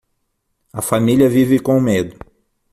A família vive com medo